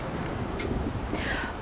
công an huyện định quán